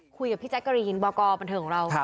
คุยกับพี่แจ๊กกะรีนบอกบันเทิงของเรา